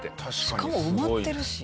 しかも埋まってるし。